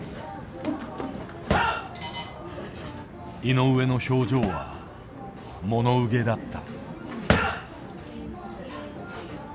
井上の表情は、もの憂げだった。